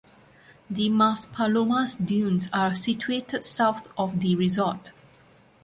The Maspalomas Dunes are situated south of the resort.